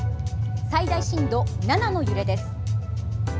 最大震度７の揺れです。